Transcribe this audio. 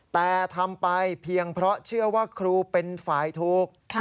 แต่ทำไปเพียงเพราะเชื่อว่าครูเป็นฝ่ายถูก